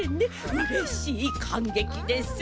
うれしいかんげきです！